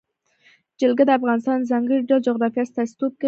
جلګه د افغانستان د ځانګړي ډول جغرافیه استازیتوب کوي.